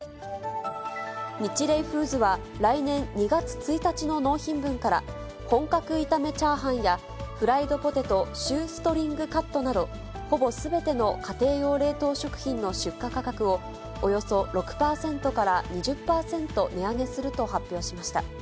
ニチレイフーズは、来年２月１日の納品分から、本格炒め炒飯やフライドポテトシューストリングカットなど、ほぼすべての家庭用冷凍食品の出荷価格を、およそ６％から２０％値上げすると発表しました。